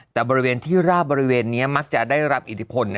แต่บริเวณที่ราบบริเวณนี้มักจะได้รับอิทธิพล